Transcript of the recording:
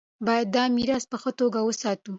باید دا میراث په ښه توګه وساتو.